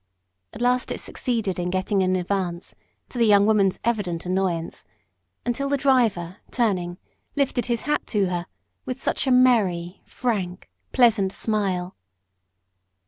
At last it succeeded in getting in advance, to the young woman's evident annoyance, until the driver, turning, lifted his hat to her with such a merry, frank, pleasant smile.